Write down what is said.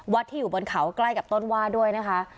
ที่อยู่บนเขาใกล้กับต้นว่าด้วยนะคะ